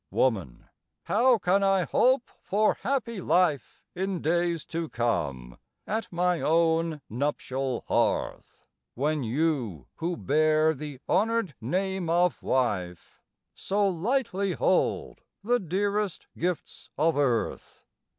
Woman, how can I hope for happy life In days to come at my own nuptial hearth, When you who bear the honoured name of wife So lightly hold the dearest gifts of earth?